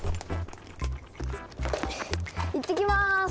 いってきます！